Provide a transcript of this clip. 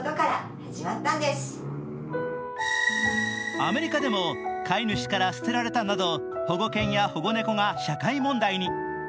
アメリカでも飼い主から捨てられたなど保護犬や保護猫が社会問題に。